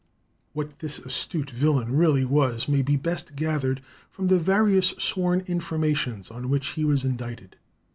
What this astute villain really was may be best gathered from the various sworn informations on which he was indicted.